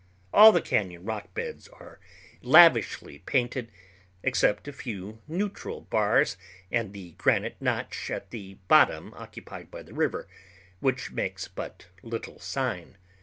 All the cañon rock beds are lavishly painted, except a few neutral bars and the granite notch at the bottom occupied by the river, which makes but little sign.